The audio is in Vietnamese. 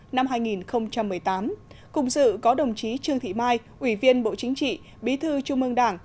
năm hai nghìn một mươi tám cùng dự có đồng chí trương thị mai ủy viên bộ chính trị bí thư trung ương đảng